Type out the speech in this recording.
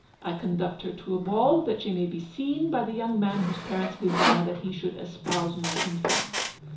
I conduct her to a ball, that she may be seen by the young man whose parents desire that he should espouse my infant.